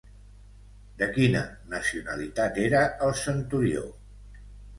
De quina nacionalitat era el Centurió?